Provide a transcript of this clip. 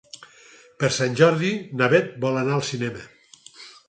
Per Sant Jordi na Bet vol anar al cinema.